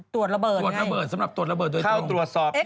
ตรวจระเบิดสำหรับตรวจระเบิดโดยตรง